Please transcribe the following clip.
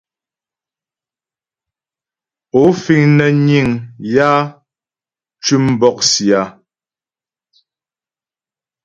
Ó fíŋ nə́ níŋ yǎ tʉ́m bɔ̂'sì a ?